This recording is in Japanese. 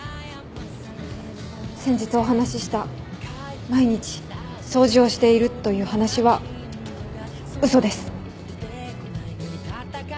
先日お話しした毎日掃除をしているという話は嘘です。